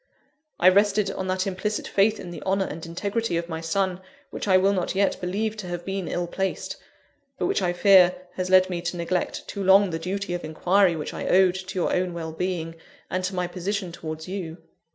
I rested on that implicit faith in the honour and integrity of my son, which I will not yet believe to have been ill placed, but which, I fear, has led me to neglect too long the duty of inquiry which I owed to your own well being, and to my position towards you.